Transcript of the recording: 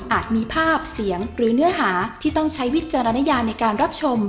มีภาพเสียงหรือเนื้อหาที่ต้องใช้วิจารณญาในการรับชม